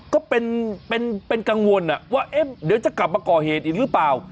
ก็เป็นกังวลว่าเดี๋ยวจะกลับมาก่อเหตุอีกหรือเปล่า